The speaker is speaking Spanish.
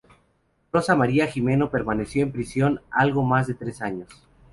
Rosa María Jimeno permaneció en prisión algo más de tres años.